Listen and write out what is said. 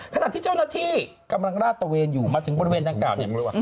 ขนาดที่เจ้านักที่กำลังล่าตะเวนอยู่มาถึงบริเวณตั้งกล่าว